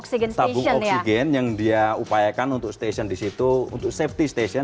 oke jadi ada apa tabung oksigen stesen ya tabung oksigen yang dia upayakan untuk stesen di situ untuk safety stesen